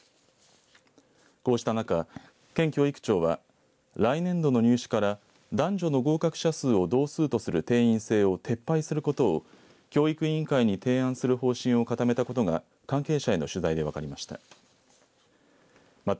こうした中県教育庁は来年度の入試から男女の合格者数を同数とする定員制を撤廃することを教育委員会に提案する方針を固めたことが関係者への取材で分かりました。